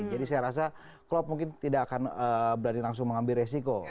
karena klopp mungkin tidak akan berani langsung mengambil resiko